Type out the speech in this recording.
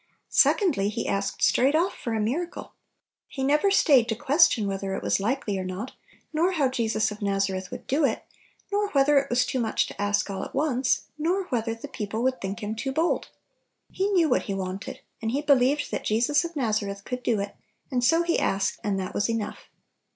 Secondly, he asked straight off for a miracle I He never stayed to question whether it was like ly or not, nor how Jesus of Nazareth would do it, nor whether it was too much to ask all at once, nor whether the people would think him too bold. He knew what he wanted, and He be lieved that Jesus of Nazareth could do it, and so he asked, and that was enough.